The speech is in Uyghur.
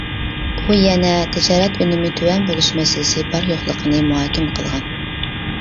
ئۇ يەنە تىجارەت ئۈنۈمى تۆۋەن بولۇش مەسىلىسى بار يوقلۇقىنى مۇھاكىمە قىلغان.